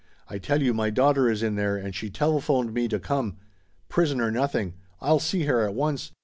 "I tell you my daughter is in there and she telephoned me to come. Prisoner nothing! I'll see her at once.